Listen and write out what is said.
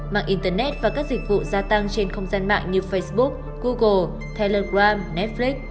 mạng internet và các dịch vụ gia tăng trên không gian mạng như facebook google telegram netflix